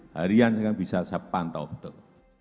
harian sekarang bisa saya pantau betul